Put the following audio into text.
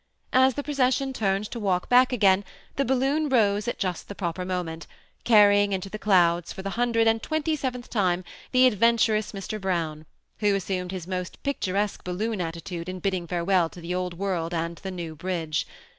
As the procession turned to walk back again, the balloon rose just at the proper moment, car rying into the clouds, for the hundred and twenty seventh time, the adventurous Mr. Brown, who assumed his most picturesque balloon attitude in bidding farewell to the old world and the new bridge.